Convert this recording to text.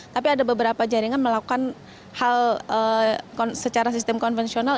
tapi ada beberapa jaringan melakukan hal secara sistem konvensional